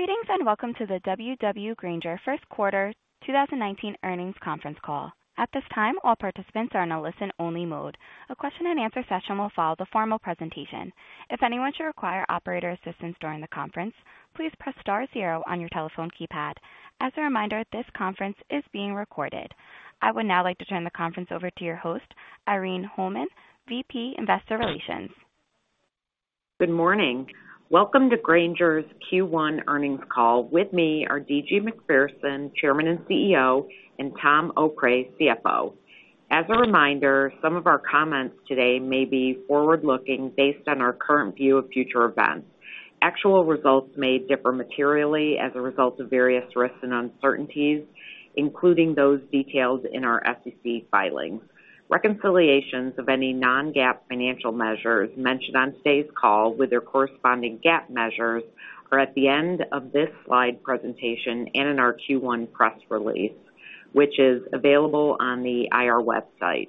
Greetings and welcome to the W.W. Grainger first quarter 2019 earnings conference call. At this time, all participants are in a listen-only mode. A question-and-answer session will follow the formal presentation. If anyone should require operator assistance during the conference, please press star zero on your telephone keypad. As a reminder, this conference is being recorded. I would now like to turn the conference over to your host, Irene Holman, VP, Investor Relations. Good morning. Welcome to Grainger's Q1 earnings call. With me are D.G. Macpherson, Chairman and CEO, and Tom Okray, CFO. As a reminder, some of our comments today may be forward-looking based on our current view of future events. Actual results may differ materially as a result of various risks and uncertainties, including those details in our SEC filings. Reconciliations of any non-GAAP financial measures mentioned on today's call with their corresponding GAAP measures are at the end of this slide presentation and in our Q1 press release, which is available on the IR website.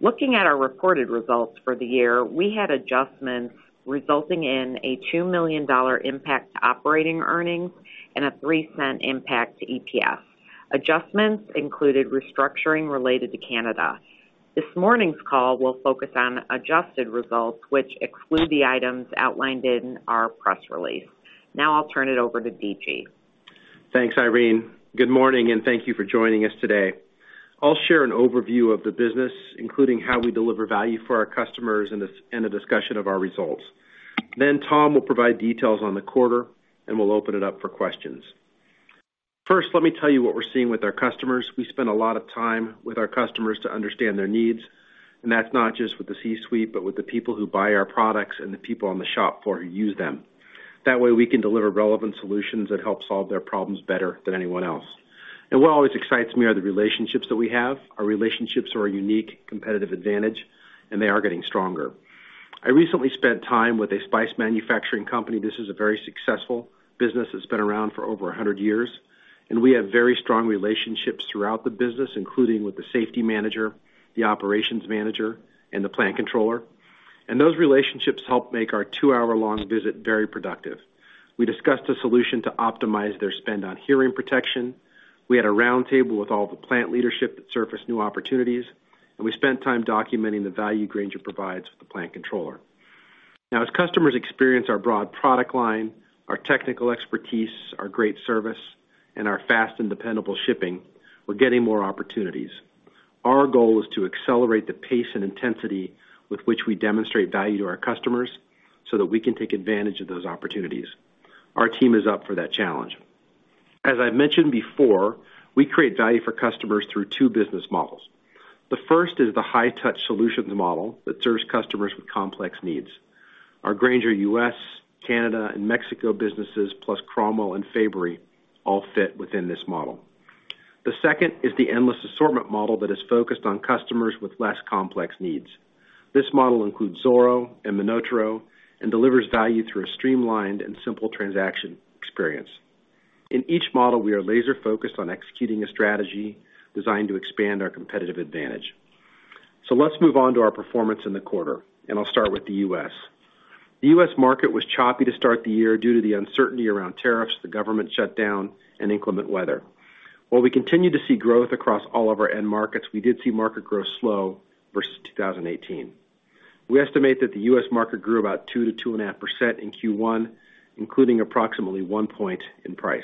Looking at our reported results for the year, we had adjustments resulting in a $2 million impact to operating earnings and a $0.03 impact to EPS. Adjustments included restructuring related to Canada. This morning's call will focus on adjusted results, which exclude the items outlined in our press release. Now I'll turn it over to D.G. Thanks, Irene. Good morning, and thank you for joining us today. I'll share an overview of the business, including how we deliver value for our customers and a discussion of our results. Tom will provide details on the quarter, and we'll open it up for questions. First, let me tell you what we're seeing with our customers. We spend a lot of time with our customers to understand their needs, and that's not just with the C-suite, but with the people who buy our products and the people on the shop floor who use them. That way, we can deliver relevant solutions that help solve their problems better than anyone else. What always excites me are the relationships that we have. Our relationships are a unique competitive advantage, and they are getting stronger. I recently spent time with a spice manufacturing company. This is a very successful business that's been around for over 100 years. We have very strong relationships throughout the business, including with the safety manager, the operations manager, and the plant controller. Those relationships helped make our two-hour-long visit very productive. We discussed a solution to optimize their spend on hearing protection. We had a roundtable with all the plant leadership that surfaced new opportunities. We spent time documenting the value Grainger provides with the plant controller. As customers experience our broad product line, our technical expertise, our great service, and our fast and dependable shipping, we're getting more opportunities. Our goal is to accelerate the pace and intensity with which we demonstrate value to our customers so that we can take advantage of those opportunities. Our team is up for that challenge. As I've mentioned before, we create value for customers through two business models. The first is the high-touch solutions model that serves customers with complex needs. Our Grainger U.S., Canada, and Mexico businesses, plus Cromwell and Fabory, all fit within this model. The second is the endless assortment model that is focused on customers with less complex needs. This model includes Zoro and MonotaRO and delivers value through a streamlined and simple transaction experience. In each model, we are laser-focused on executing a strategy designed to expand our competitive advantage. Let's move on to our performance in the quarter. I'll start with the U.S. The U.S. market was choppy to start the year due to the uncertainty around tariffs, the government shutdown, and inclement weather. While we continue to see growth across all of our end markets, we did see market growth slow versus 2018. We estimate that the U.S. market grew about 2%-2.5% in Q1, including approximately one point in price.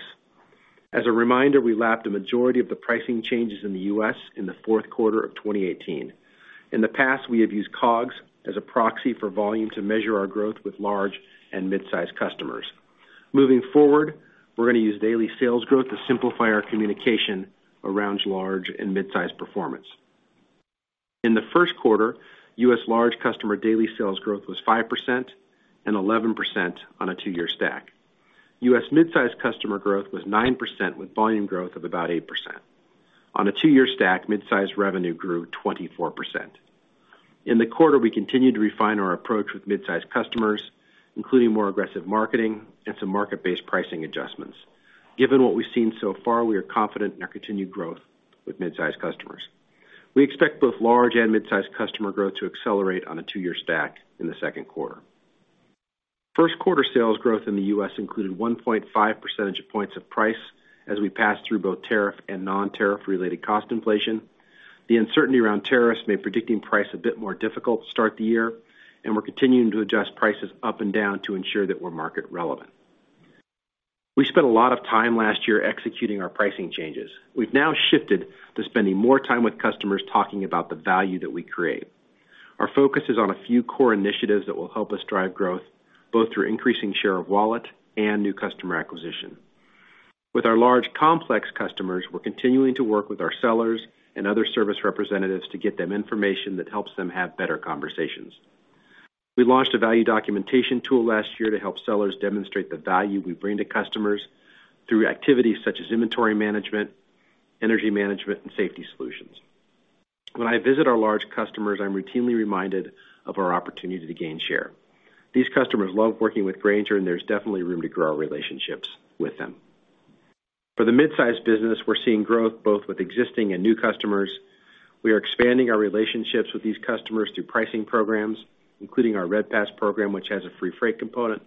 As a reminder, we lapped the majority of the pricing changes in the U.S. in the fourth quarter of 2018. In the past, we have used COGS as a proxy for volume to measure our growth with large and mid-size customers. Moving forward, we're going to use daily sales growth to simplify our communication around large and mid-size performance. In the first quarter, U.S. large customer daily sales growth was 5% and 11% on a two-year stack. U.S. mid-size customer growth was 9% with volume growth of about 8%. On a two-year stack, mid-size revenue grew 24%. In the quarter, we continued to refine our approach with mid-size customers, including more aggressive marketing and some market-based pricing adjustments. Given what we've seen so far, we are confident in our continued growth with mid-size customers. We expect both large and mid-size customer growth to accelerate on a two-year stack in the second quarter. First quarter sales growth in the U.S. included 1.5 percentage points of price as we passed through both tariff and non-tariff related cost inflation. The uncertainty around tariffs made predicting price a bit more difficult to start the year. We're continuing to adjust prices up and down to ensure that we're market relevant. We spent a lot of time last year executing our pricing changes. We've now shifted to spending more time with customers talking about the value that we create. Our focus is on a few core initiatives that will help us drive growth, both through increasing share of wallet and new customer acquisition. With our large complex customers, we're continuing to work with our sellers and other service representatives to get them information that helps them have better conversations. We launched a value documentation tool last year to help sellers demonstrate the value we bring to customers through activities such as inventory management, energy management, and safety solutions. When I visit our large customers, I'm routinely reminded of our opportunity to gain share. These customers love working with Grainger, and there's definitely room to grow our relationships with them. For the mid-size business, we're seeing growth both with existing and new customers. We are expanding our relationships with these customers through pricing programs, including our Red Pass program, which has a free freight component.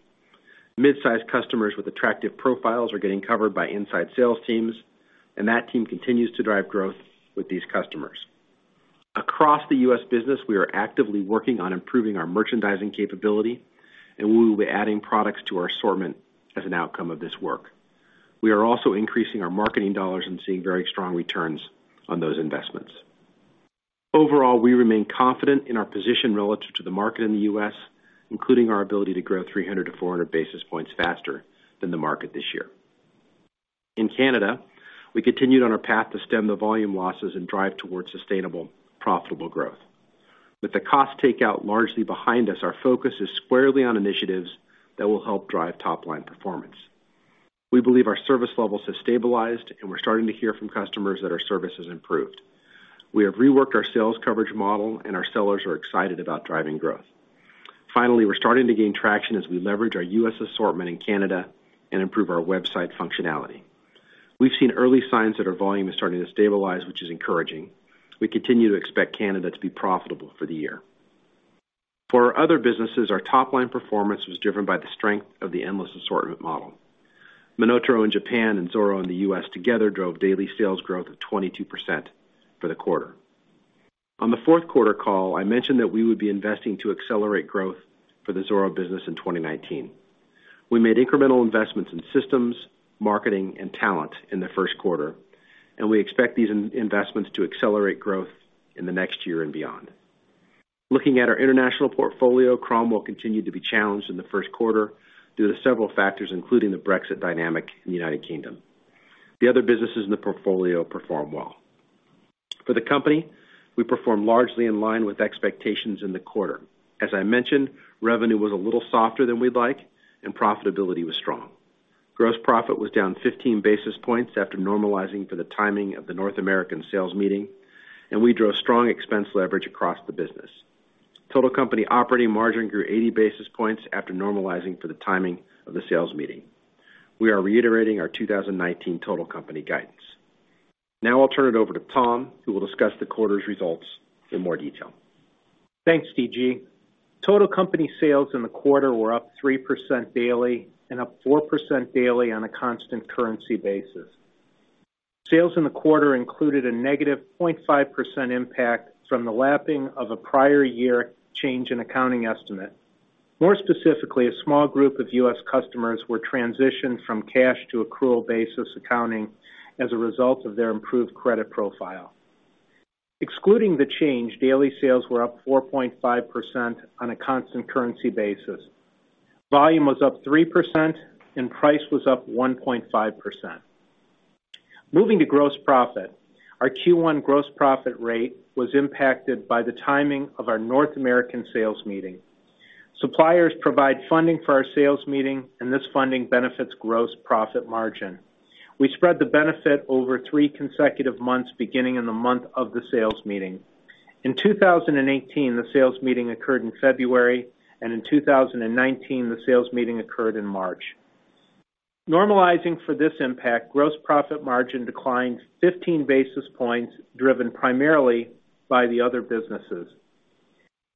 Mid-size customers with attractive profiles are getting covered by inside sales teams, and that team continues to drive growth with these customers. Across the U.S. business, we are actively working on improving our merchandising capability, and we will be adding products to our assortment as an outcome of this work. We are also increasing our marketing dollars and seeing very strong returns on those investments. Overall, we remain confident in our position relative to the market in the U.S., including our ability to grow 300 to 400 basis points faster than the market this year. In Canada, we continued on our path to stem the volume losses and drive towards sustainable, profitable growth. With the cost takeout largely behind us, our focus is squarely on initiatives that will help drive top-line performance. We believe our service levels have stabilized, and we're starting to hear from customers that our service has improved. We have reworked our sales coverage model, and our sellers are excited about driving growth. Finally, we're starting to gain traction as we leverage our U.S. assortment in Canada and improve our website functionality. We've seen early signs that our volume is starting to stabilize, which is encouraging. We continue to expect Canada to be profitable for the year. For our other businesses, our top-line performance was driven by the strength of the endless assortment model. MonotaRO in Japan and Zoro in the U.S. together drove daily sales growth of 22% for the quarter. On the fourth quarter call, I mentioned that we would be investing to accelerate growth for the Zoro business in 2019. We made incremental investments in systems, marketing, and talent in the first quarter, and we expect these investments to accelerate growth in the next year and beyond. Looking at our international portfolio, Cromwell continued to be challenged in the first quarter due to several factors, including the Brexit dynamic in the United Kingdom. The other businesses in the portfolio performed well. For the company, we performed largely in line with expectations in the quarter. As I mentioned, revenue was a little softer than we'd like and profitability was strong. Gross profit was down 15 basis points after normalizing for the timing of the North American sales meeting, and we drove strong expense leverage across the business. Total company operating margin grew 80 basis points after normalizing for the timing of the sales meeting. We are reiterating our 2019 total company guidance. Now I'll turn it over to Tom, who will discuss the quarter's results in more detail. Thanks, D.G. Total company sales in the quarter were up 3% daily and up 4% daily on a constant currency basis. Sales in the quarter included a negative 0.5% impact from the lapping of a prior year change in accounting estimate. More specifically, a small group of U.S. customers were transitioned from cash to accrual basis accounting as a result of their improved credit profile. Excluding the change, daily sales were up 4.5% on a constant currency basis. Volume was up 3%, and price was up 1.5%. Moving to gross profit, our Q1 gross profit rate was impacted by the timing of our North American sales meeting. Suppliers provide funding for our sales meeting, and this funding benefits gross profit margin. We spread the benefit over three consecutive months, beginning in the month of the sales meeting. In 2018, the sales meeting occurred in February, and in 2019, the sales meeting occurred in March. Normalizing for this impact, gross profit margin declined 15 basis points, driven primarily by the other businesses.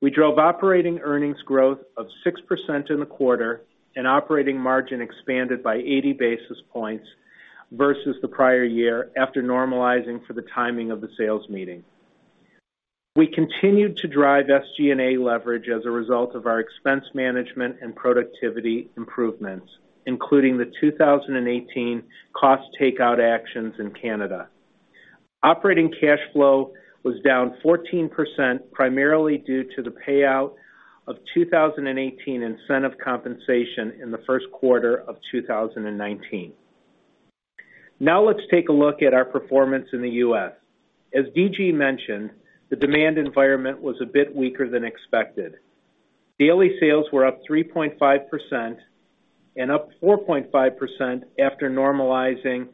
We drove operating earnings growth of 6% in the quarter and operating margin expanded by 80 basis points versus the prior year after normalizing for the timing of the sales meeting. We continued to drive SG&A leverage as a result of our expense management and productivity improvements, including the 2018 cost takeout actions in Canada. Operating cash flow was down 14%, primarily due to the payout of 2018 incentive compensation in the first quarter of 2019. Let's take a look at our performance in the U.S. As D.G. mentioned, the demand environment was a bit weaker than expected. Daily sales were up 3.5% and up 4.5% after normalizing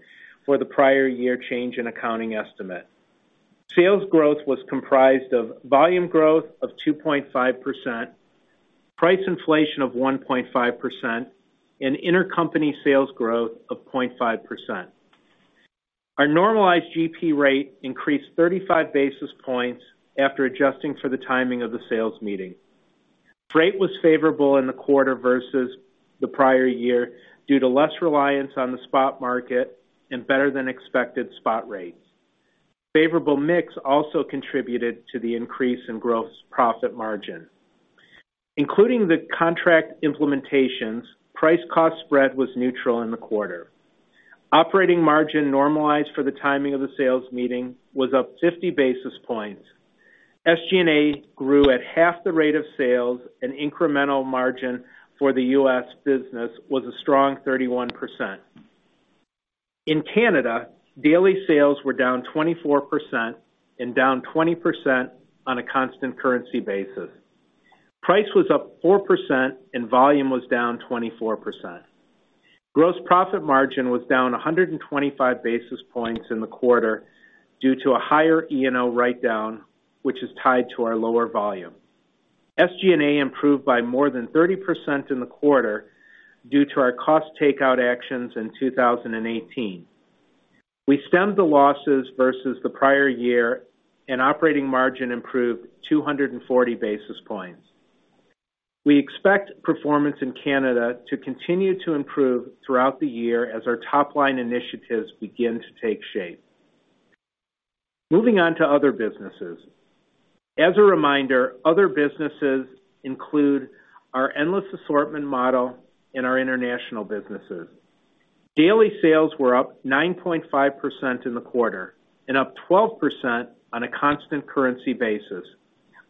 for the prior year change in accounting estimate. Sales growth was comprised of volume growth of 2.5%, price inflation of 1.5%, and intercompany sales growth of 0.5%. Our normalized GP rate increased 35 basis points after adjusting for the timing of the sales meeting. Freight was favorable in the quarter versus the prior year due to less reliance on the spot market and better than expected spot rates. Favorable mix also contributed to the increase in gross profit margin. Including the contract implementations, price-cost spread was neutral in the quarter. Operating margin normalized for the timing of the sales meeting was up 50 basis points. SG&A grew at half the rate of sales, and incremental margin for the U.S. business was a strong 31%. In Canada, daily sales were down 24% and down 20% on a constant currency basis. Price was up 4% and volume was down 24%. Gross profit margin was down 125 basis points in the quarter due to a higher E&O write-down, which is tied to our lower volume. SG&A improved by more than 30% in the quarter due to our cost takeout actions in 2018. We stemmed the losses versus the prior year and operating margin improved 240 basis points. We expect performance in Canada to continue to improve throughout the year as our top-line initiatives begin to take shape. Moving on to other businesses. As a reminder, other businesses include our endless assortment model and our international businesses. Daily sales were up 9.5% in the quarter and up 12% on a constant currency basis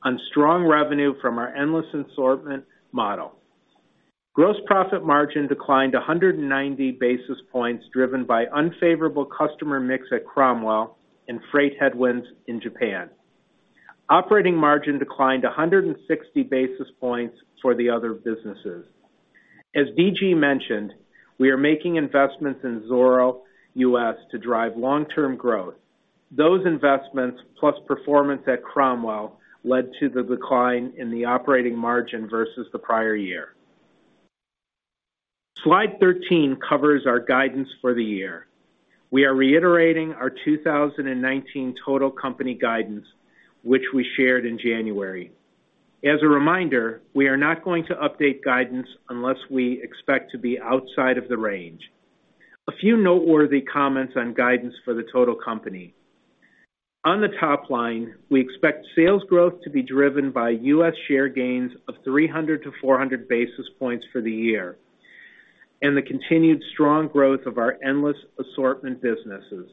on strong revenue from our endless assortment model. Gross profit margin declined 190 basis points, driven by unfavorable customer mix at Cromwell and freight headwinds in Japan. Operating margin declined 160 basis points for the other businesses. As D.G. mentioned, we are making investments in Zoro U.S. to drive long-term growth. Those investments, plus performance at Cromwell, led to the decline in the operating margin versus the prior year. Slide 13 covers our guidance for the year. We are reiterating our 2019 total company guidance, which we shared in January. As a reminder, we are not going to update guidance unless we expect to be outside of the range. A few noteworthy comments on guidance for the total company. On the top line, we expect sales growth to be driven by U.S. share gains of 300 to 400 basis points for the year and the continued strong growth of our endless assortment businesses.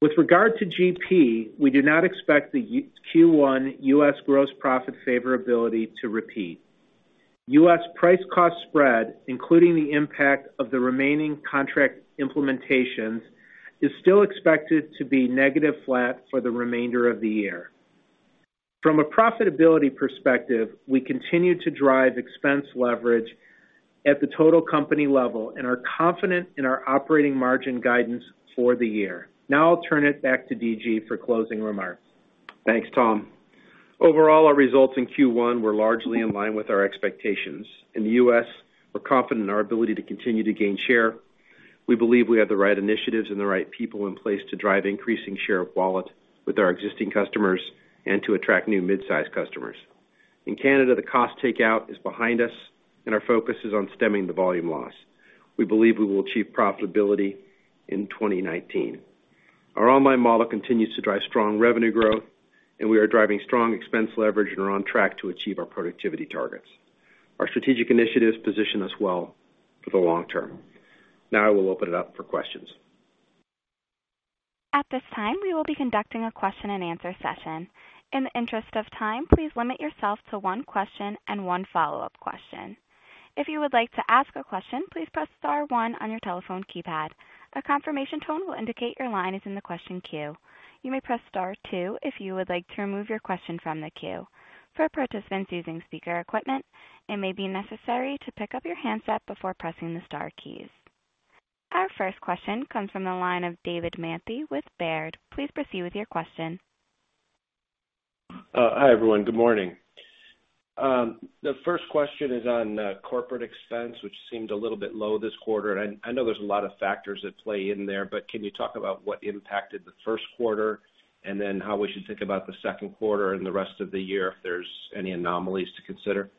With regard to GP, we do not expect the Q1 U.S. gross profit favorability to repeat. U.S. price-cost spread, including the impact of the remaining contract implementations, is still expected to be negative flat for the remainder of the year. From a profitability perspective, we continue to drive expense leverage at the total company level and are confident in our operating margin guidance for the year. I'll turn it back to D.G. for closing remarks. Thanks, Tom. Overall, our results in Q1 were largely in line with our expectations. In the U.S., we're confident in our ability to continue to gain share. We believe we have the right initiatives and the right people in place to drive increasing share of wallet with our existing customers and to attract new mid-size customers. In Canada, the cost takeout is behind us and our focus is on stemming the volume loss. We believe we will achieve profitability in 2019. Our online model continues to drive strong revenue growth and we are driving strong expense leverage and are on track to achieve our productivity targets. Our strategic initiatives position us well for the long term. I will open it up for questions. At this time, we will be conducting a question and answer session. In the interest of time, please limit yourself to one question and one follow-up question. If you would like to ask a question, please press star one on your telephone keypad. A confirmation tone will indicate your line is in the question queue. You may press star two if you would like to remove your question from the queue. For participants using speaker equipment, it may be necessary to pick up your handset before pressing the star keys. Our first question comes from the line of David Manthey with Baird. Please proceed with your question. Hi, everyone. Good morning. The first question is on corporate expense, which seemed a little bit low this quarter. I know there's a lot of factors at play in there, but can you talk about what impacted the first quarter and then how we should think about the second quarter and the rest of the year, if there's any anomalies to consider?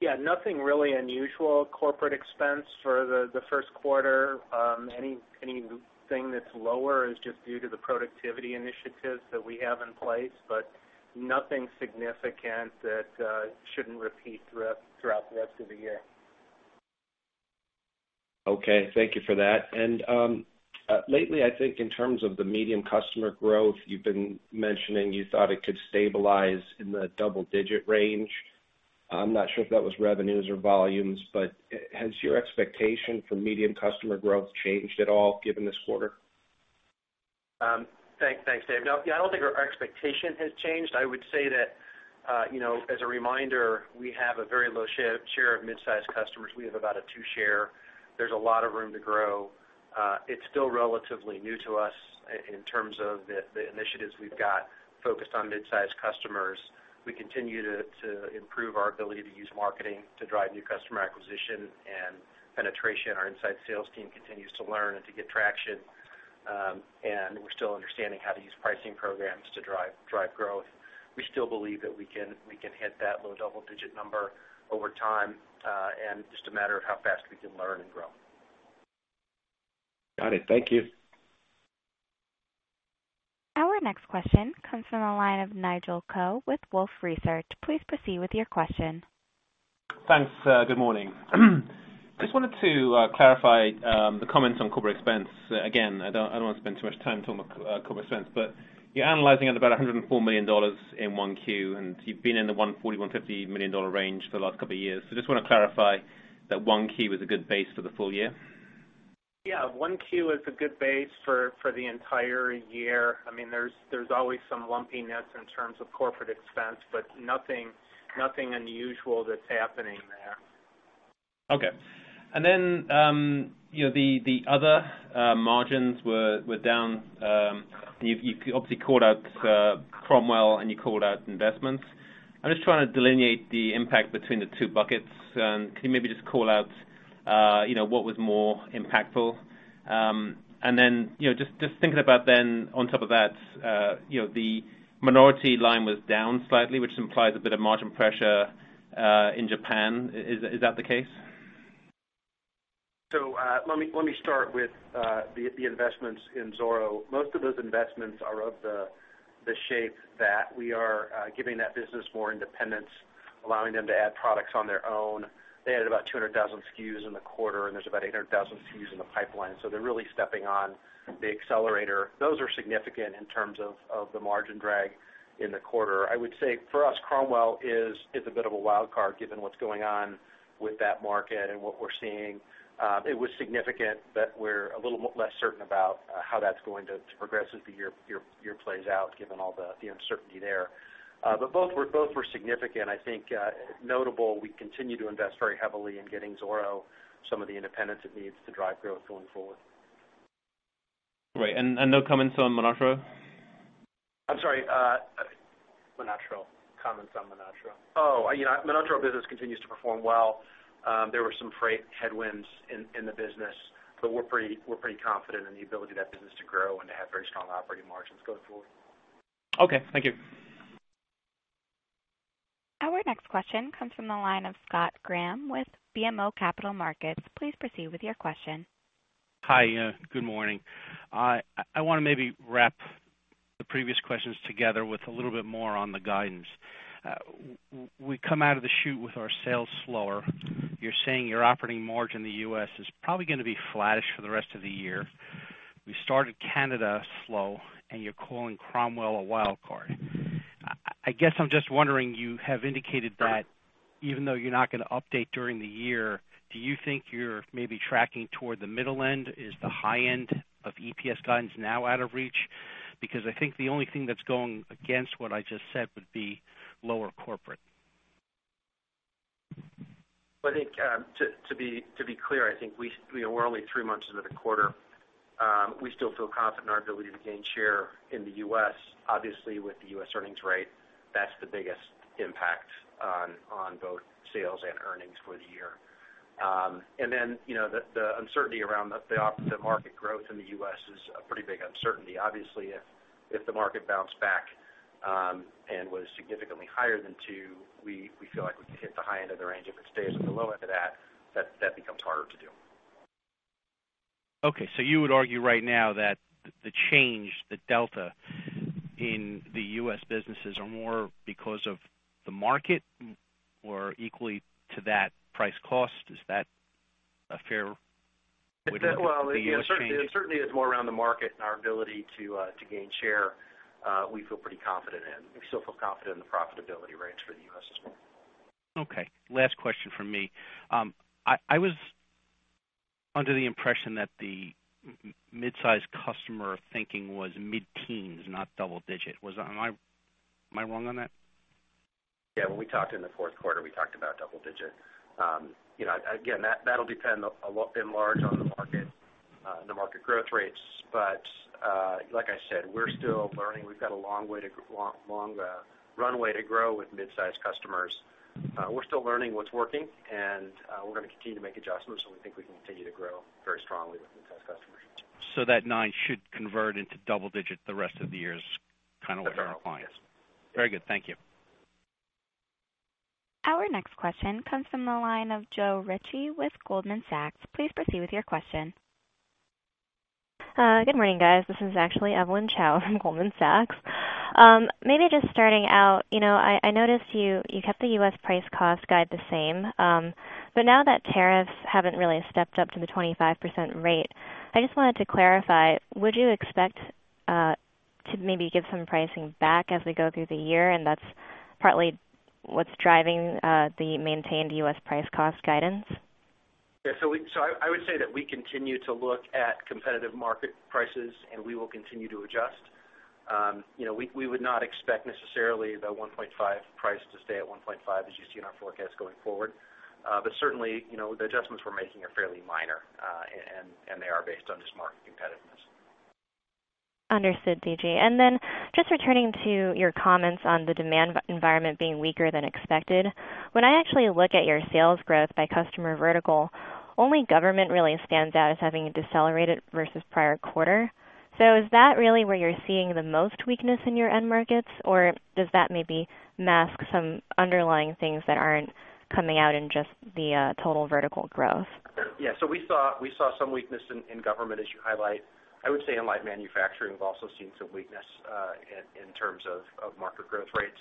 Yeah. Nothing really unusual corporate expense for the first quarter. Anything that's lower is just due to the productivity initiatives that we have in place, but nothing significant that shouldn't repeat throughout the rest of the year. Okay. Thank you for that. Lately, I think in terms of the medium customer growth, you've been mentioning you thought it could stabilize in the double-digit range. I'm not sure if that was revenues or volumes, but has your expectation for medium customer growth changed at all given this quarter? Thanks, David. No, I don't think our expectation has changed. I would say that, as a reminder, we have a very low share of mid-size customers. We have about a two share. There's a lot of room to grow. It's still relatively new to us in terms of the initiatives we've got focused on mid-size customers. We continue to improve our ability to use marketing to drive new customer acquisition and penetration. Our inside sales team continues to learn and to get traction. We're still understanding how to use pricing programs to drive growth. We still believe that we can hit that low double-digit number over time, and just a matter of how fast we can learn and grow. Got it. Thank you. Our next question comes from the line of Nigel Coe with Wolfe Research. Please proceed with your question. Thanks. Good morning. Just wanted to clarify the comments on corporate expense. Again, I don't want to spend too much time talking about corporate expense, but you're analyzing at about $104 million in Q1, and you've been in the $140 million-$150 million range for the last couple of years. Just want to clarify that Q1 was a good base for the full year? Yeah. Q1 is a good base for the entire year. There's always some lumpiness in terms of corporate expense, but nothing unusual that's happening there. Okay. The other margins were down. You've obviously called out Cromwell, and you called out investments. I'm just trying to delineate the impact between the two buckets. Can you maybe just call out what was more impactful? Just thinking about then on top of that, the minority line was down slightly, which implies a bit of margin pressure in Japan. Is that the case? Let me start with the investments in Zoro. Most of those investments are of the shape that we are giving that business more independence, allowing them to add products on their own. They added about 200,000 SKUs in the quarter, and there's about 800,000 SKUs in the pipeline. They're really stepping on the accelerator. Those are significant in terms of the margin drag in the quarter. I would say for us, Cromwell is a bit of a wild card given what's going on with that market and what we're seeing. It was significant that we're a little less certain about how that's going to progress as the year plays out, given all the uncertainty there. Both were significant. I think, notable, we continue to invest very heavily in getting Zoro some of the independence it needs to drive growth going forward. Right. No comments on MonotaRO? I'm sorry. MonotaRO. Comments on MonotaRO. Oh, MonotaRO business continues to perform well. There were some freight headwinds in the business, but we're pretty confident in the ability of that business to grow and to have very strong operating margins going forward. Okay, thank you. Our next question comes from the line of Scott Graham with BMO Capital Markets. Please proceed with your question. Hi, good morning. I want to maybe wrap the previous questions together with a little bit more on the guidance. We come out of the chute with our sales slower. You're saying your operating margin in the U.S. is probably going to be flattish for the rest of the year. We started Canada slow, and you're calling Cromwell a wild card. I guess I'm just wondering, you have indicated that even though you're not going to update during the year, do you think you're maybe tracking toward the middle end? Is the high end of EPS guidance now out of reach? Because I think the only thing that's going against what I just said would be lower corporate. I think to be clear, I think we're only three months into the quarter. We still feel confident in our ability to gain share in the U.S. Obviously, with the U.S. earnings rate, that's the biggest impact on both sales and earnings for the year. The uncertainty around the opposite market growth in the U.S. is a pretty big uncertainty. Obviously, if the market bounced back and was significantly higher than two, we feel like we could hit the high end of the range. If it stays at the low end of that becomes harder to do. Okay. You would argue right now that the change, the delta in the U.S. businesses are more because of the market or equally to that price cost? Is that a fair way to look at the change? It certainly is more around the market and our ability to gain share. We feel pretty confident in. We still feel confident in the profitability rates for the U.S. as well. Okay. Last question from me. I was under the impression that the midsize customer thinking was mid-teens, not double digit. Am I wrong on that? Yeah. When we talked in the fourth quarter, we talked about double digit. That'll depend a lot in large on the market growth rates. Like I said, we're still learning. We've got a long runway to grow with midsize customers. We're still learning what's working, we're going to continue to make adjustments, and we think we can continue to grow very strongly with midsize customers. That nine should convert into double digit the rest of the year is kind of what you're implying. Yes. Very good. Thank you. Our next question comes from the line of Joe Ritchie with Goldman Sachs. Please proceed with your question. Good morning, guys. This is actually Evelyn Chao from Goldman Sachs. Maybe just starting out, I noticed you kept the U.S. price cost guide the same. Now that tariffs haven't really stepped up to the 25% rate, I just wanted to clarify, would you expect to maybe give some pricing back as we go through the year, and that's partly what's driving the maintained U.S. price cost guidance? Yeah. I would say that we continue to look at competitive market prices, and we will continue to adjust. We would not expect necessarily the 1.5 price to stay at 1.5 as you see in our forecast going forward. Certainly, the adjustments we're making are fairly minor, and they are based on just market competitiveness. Understood, D.G. Just returning to your comments on the demand environment being weaker than expected. When I actually look at your sales growth by customer vertical, only government really stands out as having a decelerated versus prior quarter. Is that really where you're seeing the most weakness in your end markets, or does that maybe mask some underlying things that aren't coming out in just the total vertical growth? We saw some weakness in government as you highlight. I would say in light manufacturing, we've also seen some weakness in terms of market growth rates.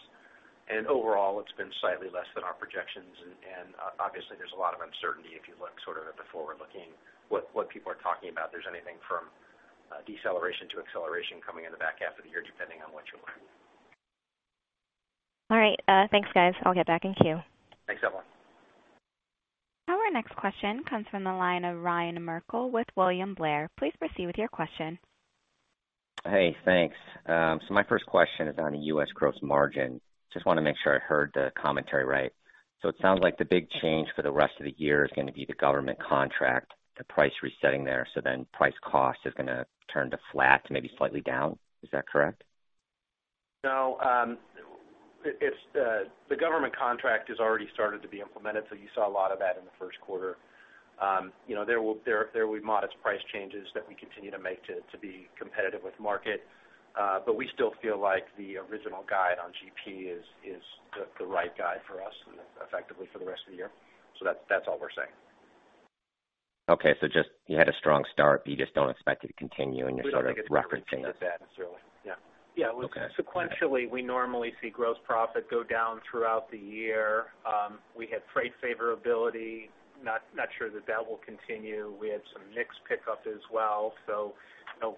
Overall, it's been slightly less than our projections, and obviously there's a lot of uncertainty if you look sort of at the forward-looking, what people are talking about. There's anything from deceleration to acceleration coming in the back half of the year, depending on what you're looking. Thanks, guys. I'll get back in queue. Thanks, Evelyn. Our next question comes from the line of Ryan Merkel with William Blair. Please proceed with your question. Hey, thanks. My first question is on the U.S. gross margin. Just want to make sure I heard the commentary right. It sounds like the big change for the rest of the year is going to be the government contract, the price resetting there. Price cost is going to turn to flat, maybe slightly down. Is that correct? No. The government contract has already started to be implemented. You saw a lot of that in the first quarter. There will be modest price changes that we continue to make to be competitive with market. We still feel like the original guide on GP is the right guide for us effectively for the rest of the year. That's all we're saying. Okay, just, you had a strong start. You just don't expect it to continue. You're sort of referencing that. We don't think it's going to be that necessarily. Yeah. Okay. Sequentially, we normally see gross profit go down throughout the year. We had freight favorability, not sure that will continue. We had some mix pickup as well.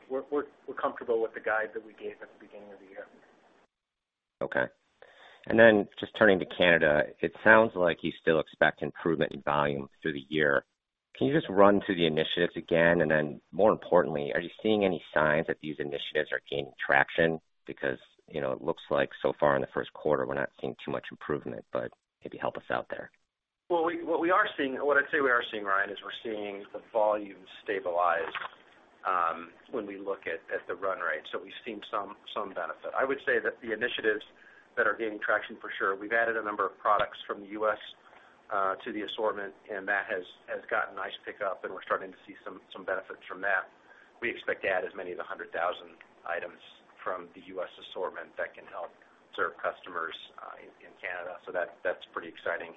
We're comfortable with the guide that we gave at the beginning of the year. Okay. Just turning to Canada, it sounds like you still expect improvement in volume through the year. Can you just run through the initiatives again, more importantly, are you seeing any signs that these initiatives are gaining traction? Because it looks like so far in the first quarter, we're not seeing too much improvement, but maybe help us out there. Well, what I'd say we are seeing, Ryan Merkel, is we're seeing the volume stabilize when we look at the run rate. We've seen some benefit. I would say that the initiatives that are gaining traction for sure. We've added a number of products from the U.S. to the assortment, that has gotten nice pickup, and we're starting to see some benefits from that. We expect to add as many as 100,000 items from the U.S. assortment that can help serve customers in Canada. That's pretty exciting.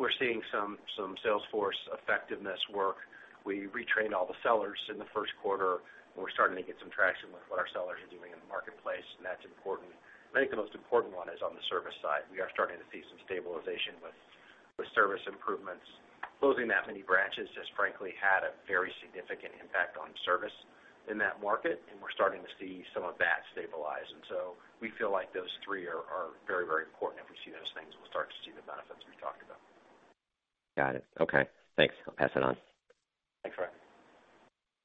We're seeing some sales force effectiveness work. We retrained all the sellers in the first quarter, and we're starting to get some traction with what our sellers are doing in the marketplace, and that's important. I think the most important one is on the service side. We are starting to see some stabilization with service improvements. Closing that many branches just frankly had a very significant impact on service in that market, and we're starting to see some of that stabilize. We feel like those three are very important. If we see those things, we'll start to see the benefits we talked about. Got it. Okay. Thanks. I'll pass it on. Thanks, Ryan.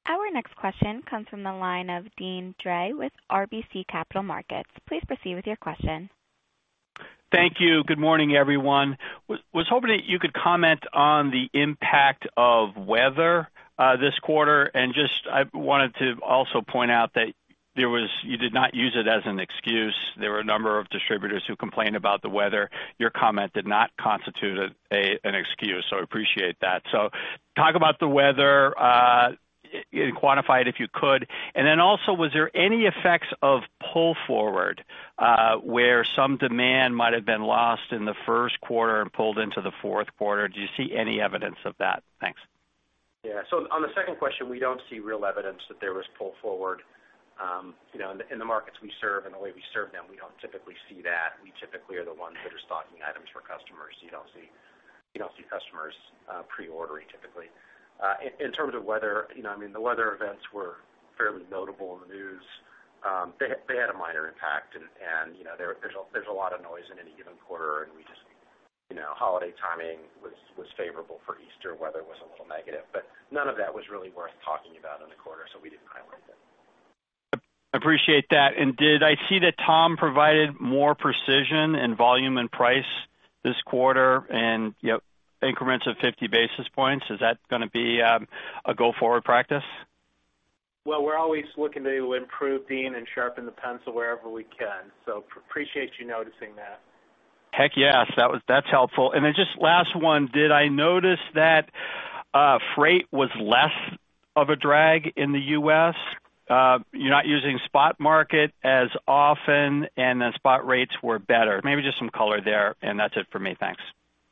Our next question comes from the line of Deane Dray with RBC Capital Markets. Please proceed with your question. Thank you. Good morning, everyone. I was hoping that you could comment on the impact of weather this quarter, I just wanted to also point out that you did not use it as an excuse. There were a number of distributors who complained about the weather. Your comment did not constitute an excuse. I appreciate that. Talk about the weather, quantify it if you could. Also, was there any effects of pull forward, where some demand might have been lost in the first quarter and pulled into the fourth quarter? Do you see any evidence of that? Thanks. Yeah. On the second question, we don't see real evidence that there was pull forward. In the markets we serve and the way we serve them, we don't typically see that. We typically are the ones that are stocking items for customers. You don't see customers pre-ordering typically. In terms of weather, the weather events were fairly notable in the news. They had a minor impact and there's a lot of noise in any given quarter, and holiday timing was favorable for Easter. Weather was a little negative, but none of that was really worth talking about in the quarter, we didn't highlight it. Appreciate that. Did I see that Tom provided more precision in volume and price this quarter in increments of 50 basis points? Is that going to be a go-forward practice? Well, we're always looking to improve, Deane, and sharpen the pencil wherever we can. Appreciate you noticing that. Heck yes. That's helpful. Just last one, did I notice that freight was less of a drag in the U.S.? You're not using spot market as often, spot rates were better. Maybe just some color there, and that's it for me. Thanks.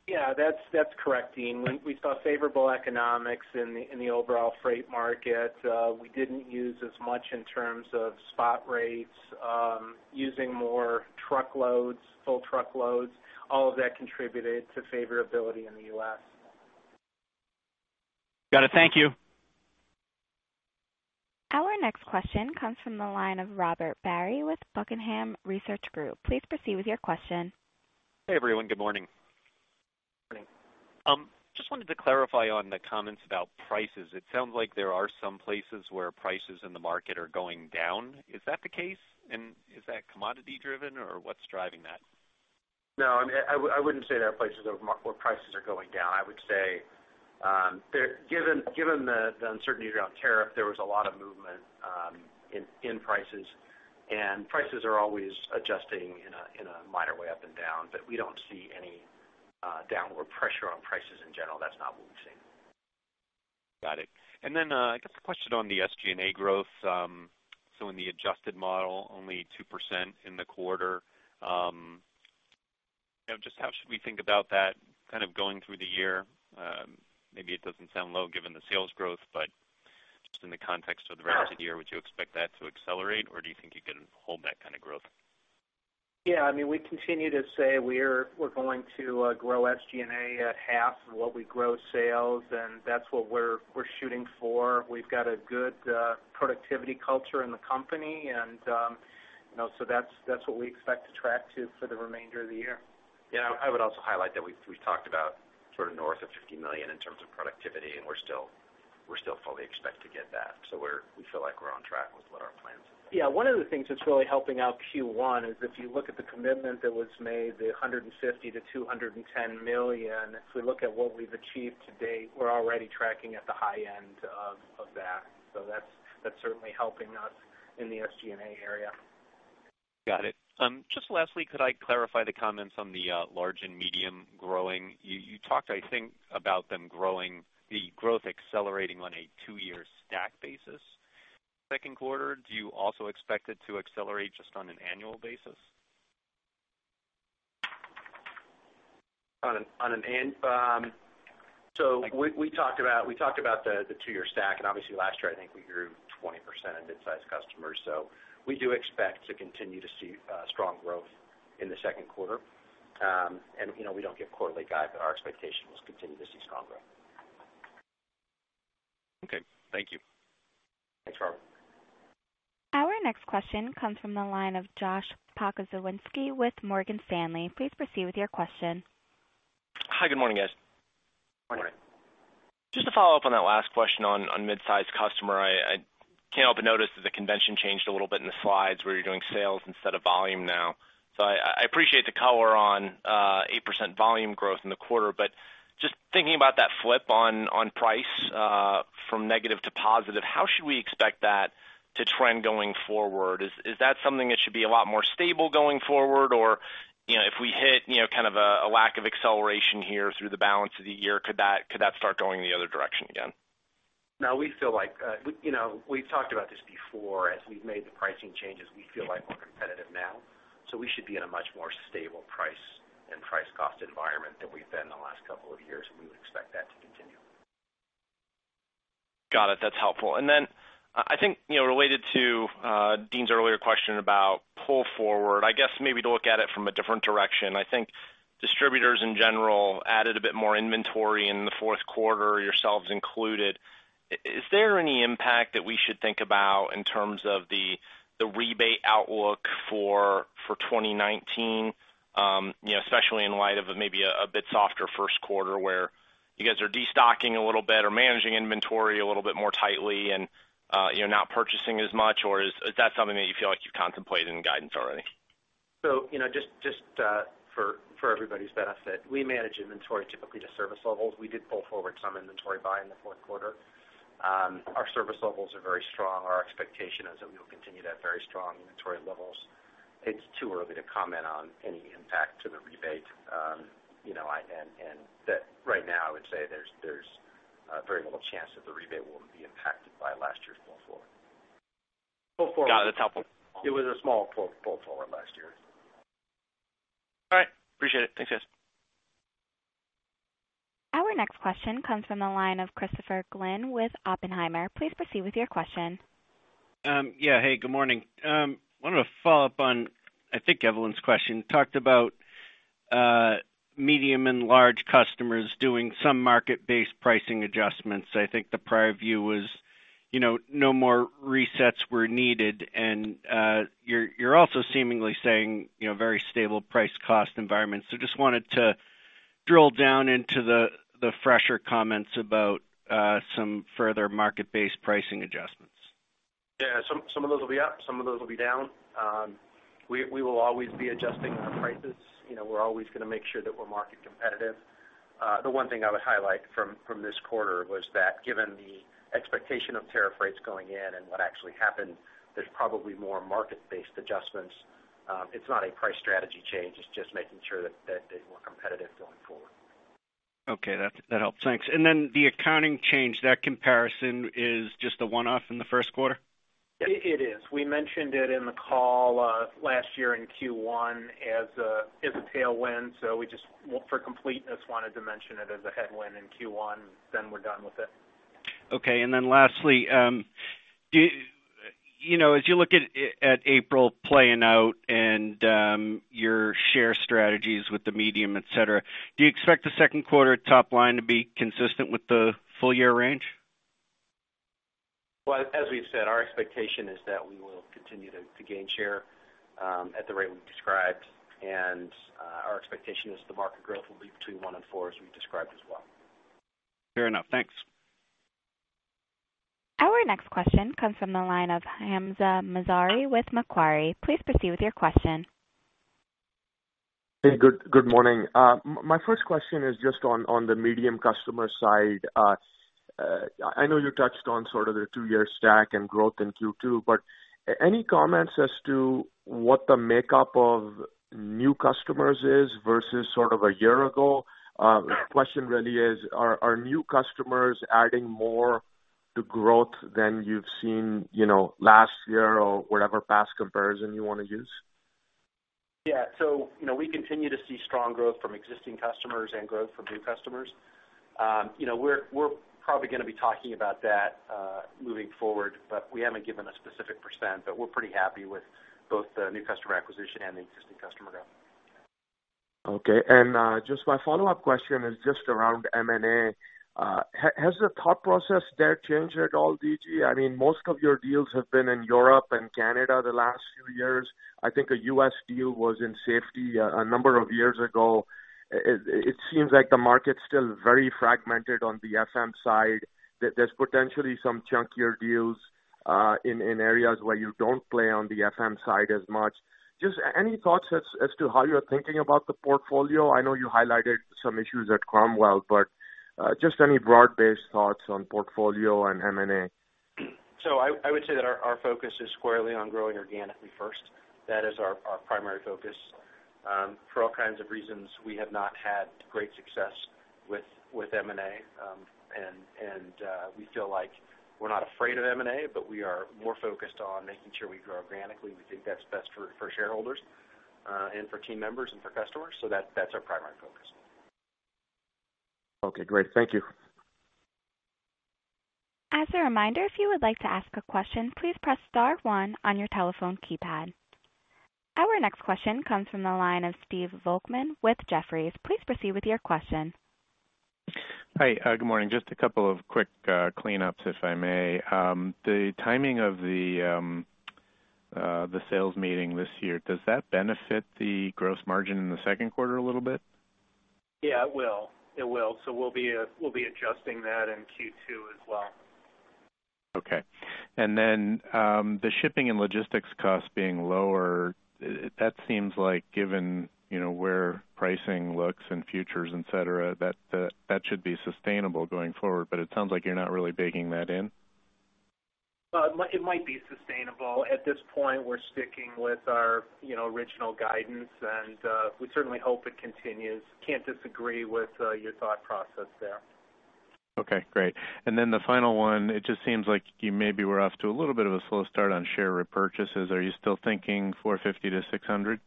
Yeah, that's correct, Deane. We saw favorable economics in the overall freight market. We didn't use as much in terms of spot rates. Using more truckloads, full truckloads, all of that contributed to favorability in the U.S. Got it. Thank you. Our next question comes from the line of Robert Barry with Buckingham Research Group. Please proceed with your question. Hey, everyone. Good morning. Morning. Just wanted to clarify on the comments about prices. It sounds like there are some places where prices in the market are going down. Is that the case? Is that commodity driven or what's driving that? No, I wouldn't say there are places where prices are going down. I would say, given the uncertainty around tariff, there was a lot of movement in prices, and prices are always adjusting in a minor way up and down. We don't see any downward pressure on prices in general. That's not what we're seeing. Got it. I guess a question on the SG&A growth. In the adjusted model, only 2% in the quarter. Just how should we think about that kind of going through the year? Maybe it doesn't sound low given the sales growth, but just in the context of the rest of the year, would you expect that to accelerate, or do you think you can hold that kind of growth? Yeah. We continue to say we're going to grow SG&A at half of what we grow sales, and that's what we're shooting for. We've got a good productivity culture in the company. That's what we expect to track to for the remainder of the year. Yeah. I would also highlight that we've talked about north of $50 million in terms of productivity, and we still fully expect to get that. We feel like we're on track with what our plans are. Yeah. One of the things that's really helping out Q1 is if you look at the commitment that was made, the $150 million-$210 million. If we look at what we've achieved to date, we're already tracking at the high end of that. That's certainly helping us in the SG&A area. Got it. Just lastly, could I clarify the comments on the large and medium growing? You talked, I think, about the growth accelerating on a two-year stack basis second quarter. Do you also expect it to accelerate just on an annual basis? We talked about the two-year stack, Obviously last year, I think we grew 20% mid-size customers. We do expect to continue to see strong growth in the second quarter. We don't give quarterly guide, but our expectation is to continue to see strong growth. Okay, thank you. Thanks, Robert. Our next question comes from the line of Josh Pokrzywinski with Morgan Stanley. Please proceed with your question. Hi, good morning, guys. Morning. Just to follow up on that last question on mid-size customer, I can't help but notice that the convention changed a little bit in the slides where you're doing sales instead of volume now. I appreciate the color on 8% volume growth in the quarter, but just thinking about that flip on price from negative to positive, how should we expect that to trend going forward? Is that something that should be a lot more stable going forward? If we hit kind of a lack of acceleration here through the balance of the year, could that start going the other direction again? No. We've talked about this before. As we've made the pricing changes, we feel like we're competitive now, we should be in a much more stable price and price cost environment than we've been in the last couple of years, we would expect that to continue. Got it. That's helpful. Then, I think, related to Deane's earlier question about pull forward, I guess maybe to look at it from a different direction. I think distributors in general added a bit more inventory in the fourth quarter, yourselves included. Is there any impact that we should think about in terms of the rebate outlook for 2019? Especially in light of maybe a bit softer first quarter where you guys are de-stocking a little bit or managing inventory a little bit more tightly and you're not purchasing as much, or is that something that you feel like you've contemplated in guidance already? Just for everybody's benefit, we manage inventory typically to service levels. We did pull forward some inventory buy in the fourth quarter. Our service levels are very strong. Our expectation is that we will continue to have very strong inventory levels. It's too early to comment on any impact to the rebate. Right now, I would say there's very little chance that the rebate will be impacted by last year's pull forward. Got it. That's helpful. It was a small pull forward last year. All right. Appreciate it. Thanks, guys. Our next question comes from the line of Christopher Glynn with Oppenheimer. Please proceed with your question. Yeah. Hey, good morning. I wanted to follow up on, I think Evelyn's question. Talked about medium and large customers doing some market-based pricing adjustments. I think the prior view was no more resets were needed, and you're also seemingly saying very stable price cost environment. Just wanted to drill down into the fresher comments about some further market-based pricing adjustments. Yeah, some of those will be up, some of those will be down. We will always be adjusting our prices. We're always going to make sure that we're market competitive. The one thing I would highlight from this quarter was that given the expectation of tariff rates going in and what actually happened, there's probably more market-based adjustments. It's not a price strategy change. It's just making sure that they're more competitive going forward. Okay. That helps. Thanks. The accounting change, that comparison is just a one-off in the first quarter? It is. We mentioned it in the call last year in Q1 as a tailwind. We just, for completeness, wanted to mention it as a headwind in Q1, then we're done with it. Okay. Lastly, as you look at April playing out and your share strategies with the medium, et cetera, do you expect the second quarter top line to be consistent with the full year range? Well, as we've said, our expectation is that we will continue to gain share at the rate we've described, our expectation is the market growth will be between one and four, as we've described as well. Fair enough. Thanks. Our next question comes from the line of Hamza Mazari with Macquarie. Please proceed with your question. Hey, good morning. My first question is just on the medium customer side. I know you touched on sort of the two-year stack and growth in Q2, but any comments as to what the makeup of new customers is versus sort of a year ago? Question really is, are new customers adding more to growth than you've seen last year or whatever past comparison you want to use? Yeah. We continue to see strong growth from existing customers and growth from new customers. We're probably going to be talking about that moving forward, but we haven't given a specific %, but we're pretty happy with both the new customer acquisition and the existing customer growth. Okay. Just my follow-up question is just around M&A. Has the thought process there changed at all, DG? Most of your deals have been in Europe and Canada the last few years. I think a U.S. deal was in safety a number of years ago. It seems like the market's still very fragmented on the MRO side. There's potentially some chunkier deals, in areas where you don't play on the MRO side as much. Just any thoughts as to how you're thinking about the portfolio? I know you highlighted some issues at Cromwell, but, just any broad-based thoughts on portfolio and M&A? I would say that our focus is squarely on growing organically first. That is our primary focus. For all kinds of reasons, we have not had great success with M&A. We feel like we're not afraid of M&A, but we are more focused on making sure we grow organically. We think that's best for shareholders and for team members and for customers, that's our primary focus. Okay, great. Thank you. As a reminder, if you would like to ask a question, please press star one on your telephone keypad. Our next question comes from the line of Stephen Volkmann with Jefferies. Please proceed with your question. Hi. Good morning. Just a couple of quick cleanups, if I may. The timing of the sales meeting this year, does that benefit the gross margin in the second quarter a little bit? Yeah, it will. We'll be adjusting that in Q2 as well. Okay. The shipping and logistics cost being lower, that seems like given where pricing looks in futures, et cetera, that should be sustainable going forward, it sounds like you're not really baking that in. It might be sustainable. At this point, we're sticking with our original guidance, we certainly hope it continues. Can't disagree with your thought process there. Okay, great. The final one, it just seems like you maybe were off to a little bit of a slow start on share repurchases. Are you still thinking 450-600?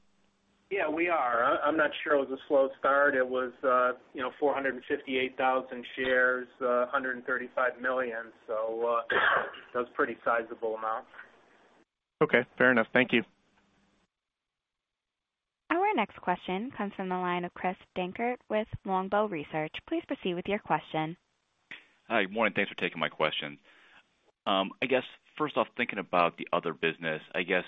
Yeah, we are. I'm not sure it was a slow start. It was 458,000 shares, $135 million. That was a pretty sizable amount. Okay, fair enough. Thank you. Our next question comes from the line of Chris Dankert with Longbow Research. Please proceed with your question. Hi. Good morning. Thanks for taking my question. I guess first off, thinking about the other business, I guess,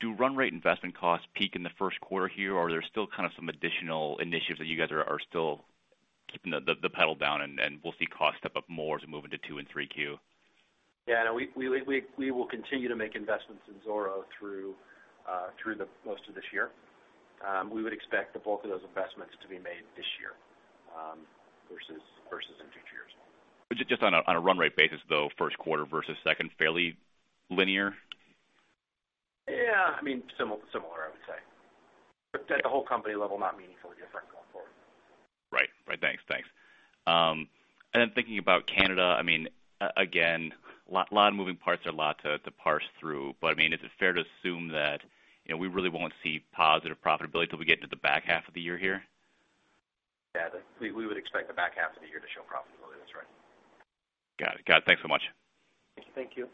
do run rate investment costs peak in the first quarter here, or are there still kind of some additional initiatives that you guys are still keeping the pedal down and we'll see costs step up more as we move into two and 3Q? Yeah, no, we will continue to make investments in Zoro through most of this year. We would expect the bulk of those investments to be made this year, versus in future years. Just on a run rate basis, though, first quarter versus second, fairly linear? Yeah. Similar, I would say. At the whole company level, not meaningfully different going forward. Right. Thanks. Thinking about Canada, again, a lot of moving parts there, a lot to parse through. Is it fair to assume that we really won't see positive profitability till we get into the back half of the year here? Yeah. We would expect the back half of the year to show profitability. That's right. Got it. Thanks so much. Thank you.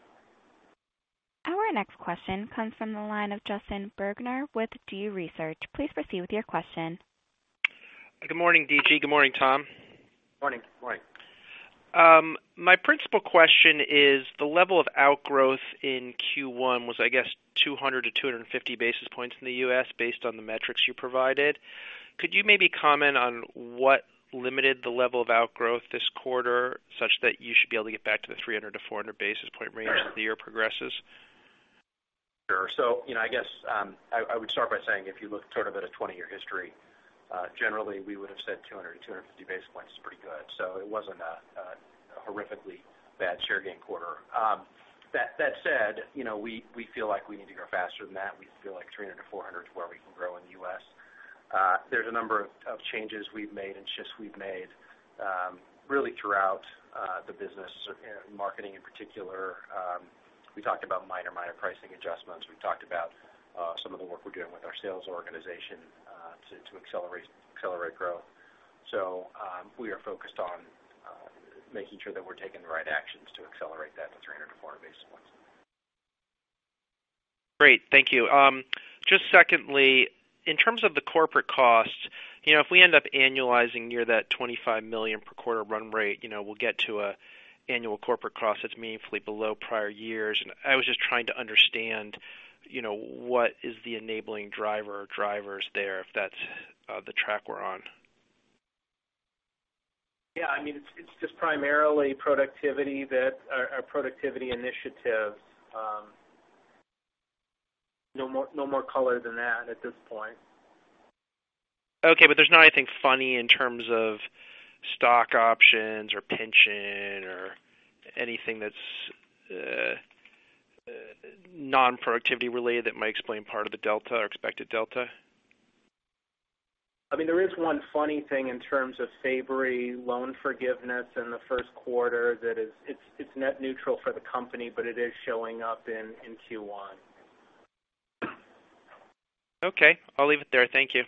Our next question comes from the line of Justin Bergner with Gabelli Research. Please proceed with your question. Good morning, DG. Good morning, Tom. Morning. My principal question is the level of outgrowth in Q1 was, I guess, 200-250 basis points in the U.S. based on the metrics you provided. Could you maybe comment on what limited the level of outgrowth this quarter, such that you should be able to get back to the 300-400 basis point range as the year progresses? Sure. I guess, I would start by saying if you look sort of at a 20-year history, generally we would've said 200-250 basis points is pretty good. That said, we feel like we need to grow faster than that. We feel like 300-400 is where we can grow in the U.S. There's a number of changes we've made and shifts we've made, really throughout the business, marketing in particular. We talked about minor pricing adjustments. We've talked about some of the work we're doing with our sales organization to accelerate growth. We are focused on making sure that we're taking the right actions to accelerate that to 300-400 basis points. Great. Thank you. Just secondly, in terms of the corporate costs, if we end up annualizing near that $25 million per quarter run rate, we'll get to an annual corporate cost that's meaningfully below prior years. I was just trying to understand, what is the enabling driver or drivers there if that's the track we're on? Yeah. It's just primarily productivity initiatives. No more color than that at this point. Okay. There's nothing funny in terms of stock options or pension or anything that's non-productivity related that might explain part of the delta or expected delta? There is one funny thing in terms of Sarbanes-Oxley loan forgiveness in the first quarter that it's net neutral for the company, it is showing up in Q1. Okay. I'll leave it there. Thank you.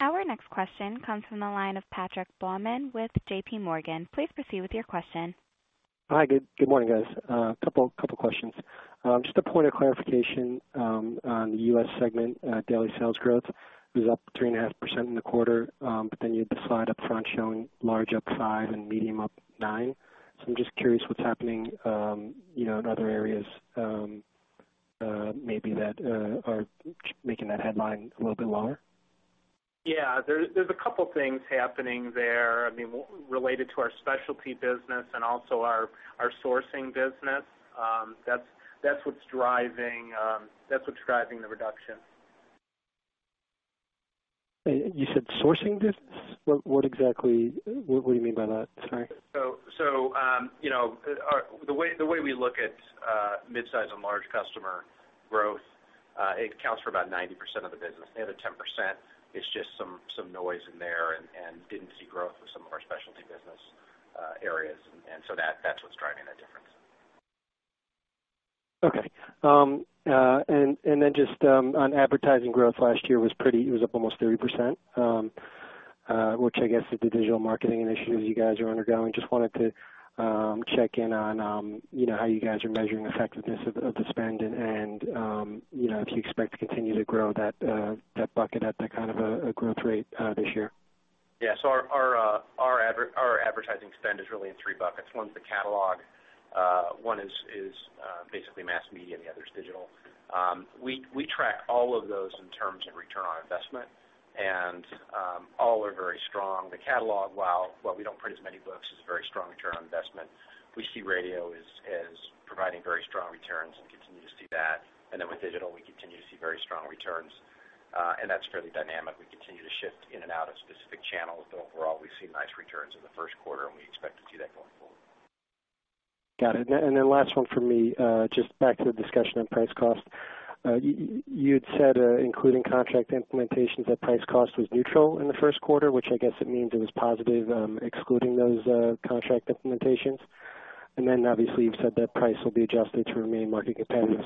Our next question comes from the line of Patrick Baumann with J.P. Morgan. Please proceed with your question. Hi. Good morning, guys. A couple of questions. Just a point of clarification on the U.S. segment. Daily sales growth was up 3.5% in the quarter, but then you had the slide up front showing large up five and medium up nine. I'm just curious what's happening in other areas maybe that are making that headline a little bit longer. Yeah. There's a couple things happening there. I mean, related to our specialty business and also our sourcing business. That's what's driving the reduction. You said sourcing business. What do you mean by that? Sorry. The way we look at midsize and large customer growth, it accounts for about 90% of the business. The other 10% is just some noise in there and didn't see growth with some of our specialty business areas. That's what's driving that difference. Just on advertising growth last year, it was up almost 30%, which I guess with the digital marketing initiatives you guys are undergoing, just wanted to check in on how you guys are measuring the effectiveness of the spend and if you expect to continue to grow that bucket at that kind of a growth rate this year. Our advertising spend is really in three buckets. One's the catalog, one is basically mass media, and the other is digital. We track all of those in terms of return on investment, and all are very strong. The catalog, while we don't print as many books, is a very strong return on investment. We see radio as providing very strong returns and continue to see that. With digital, we continue to see very strong returns. That's fairly dynamic. We continue to shift in and out of specific channels, but overall, we've seen nice returns in the first quarter, and we expect to see that going forward. Last one from me. Just back to the discussion on price cost. You'd said, including contract implementations, that price cost was neutral in the first quarter, which I guess it means it was positive excluding those contract implementations. Obviously, you've said that price will be adjusted to remain market competitive.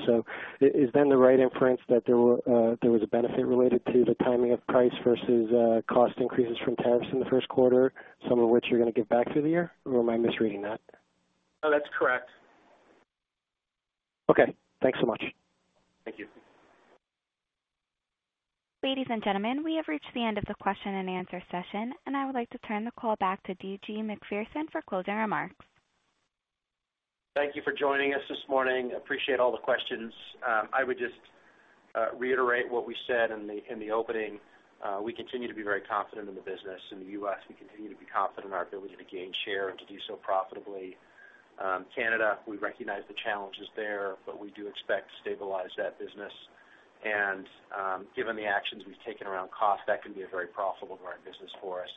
Is then the right inference that there was a benefit related to the timing of price versus cost increases from tariffs in the first quarter, some of which you're going to give back through the year? Or am I misreading that? No, that's correct. Okay. Thanks so much. Thank you. Ladies and gentlemen, we have reached the end of the question and answer session. I would like to turn the call back to D.G. Macpherson for closing remarks. Thank you for joining us this morning. Appreciate all the questions. I would just reiterate what we said in the opening. We continue to be very confident in the business. In the U.S., we continue to be confident in our ability to gain share and to do so profitably. Canada, we recognize the challenges there, we do expect to stabilize that business. Given the actions we've taken around cost, that can be a very profitable growing business for us.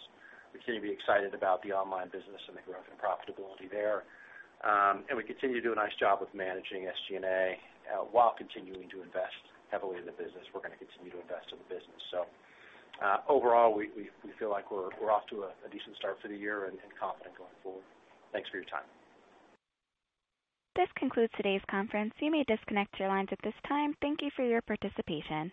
We continue to be excited about the online business and the growth and profitability there. We continue to do a nice job with managing SG&A while continuing to invest heavily in the business. We're going to continue to invest in the business. Overall, we feel like we're off to a decent start for the year and confident going forward. Thanks for your time. This concludes today's conference. You may disconnect your lines at this time. Thank you for your participation.